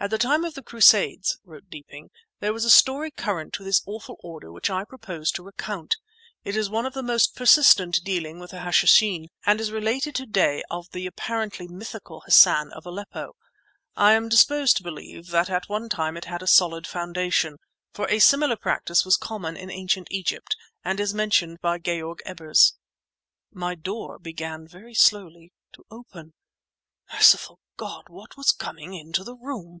"At the time of the Crusades," wrote Deeping, "there was a story current of this awful Order which I propose to recount. It is one of the most persistent dealing with the Hashishin, and is related to day of the apparently mythical Hassan of Aleppo. I am disposed to believe that at one time it had a solid foundation, for a similar practice was common in Ancient Egypt and is mentioned by Georg Ebers." My door began very slowly to open! Merciful God! What was coming into the room!